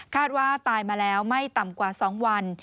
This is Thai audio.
ว่าตายมาแล้วไม่ต่ำกว่า๒วัน